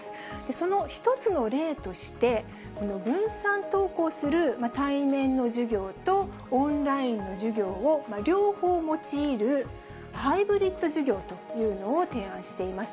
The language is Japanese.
その１つの例として、分散登校する対面の授業とオンラインの授業を両方用いる、ハイブリッド授業というのを提案しています。